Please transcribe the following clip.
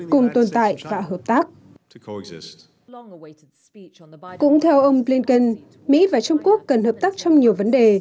cùng tồn tại và hợp tác cũng theo ông blinken mỹ và trung quốc cần hợp tác trong nhiều vấn đề